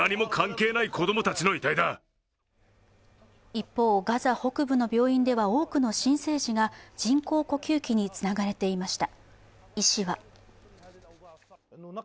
一方、ガザ北部の病院では多くの新生児が人工呼吸器につながれていました。